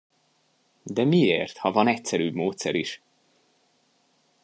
De miért, ha van egyszerűbb módszer is?